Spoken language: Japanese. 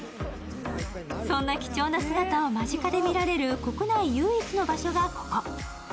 そんな貴重な姿を間近で見られる国内唯一の場所がここ。